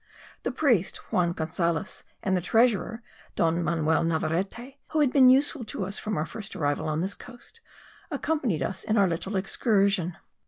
The priest Juan Gonzales, and the treasurer, Don Manuel Navarete, who had been useful to us from our first arrival on this coast, accompanied us in our little excursion.